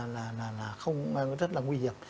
là không rất là nguy hiểm